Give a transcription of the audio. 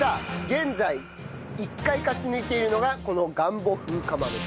現在１回勝ち抜いているのがこのガンボ風釜飯。